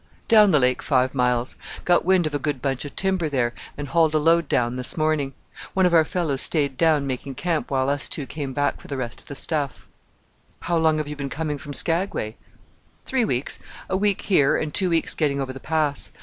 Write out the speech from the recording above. "Down the lake, five miles. Got wind of a good bunch of timber there, and hauled a load down this morning. One of our fellows stayed down making camp while us two came back for the rest of the stuff." "How long have you been coming from Skagway?" "Three weeks a week here, and two weeks getting over the Pass.